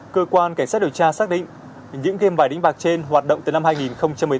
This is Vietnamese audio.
cơ quan cảnh sát điều tra xác định những game vải đĩnh bạc trên hoạt động từ năm hai nghìn một mươi tám